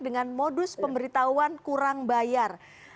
dengan modus pemberitahuan kurang bayar